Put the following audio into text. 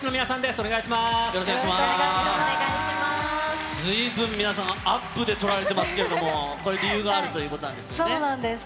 ずいぶん皆さん、アップで撮られてますけれども、これ、理由があるということなんそうなんです。